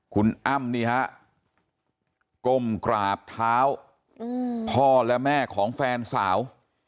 คุณอ้ำนี่ฮะก้มกราบเท้าพ่อและแม่ของแฟนสาว